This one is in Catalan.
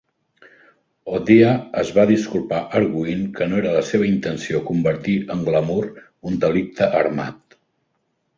O'Dea es va disculpar argüint que no era la seva intenció convertir en glamur un delicte armat.